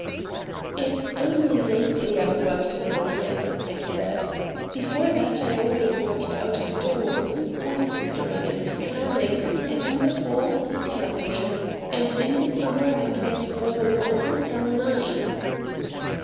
"It's only lately I've worked in an office," I said. "Before that I always worked out of doors; oystering and clamming and, in the fall, scalloping. And in the summer I played ball on a hotel nine."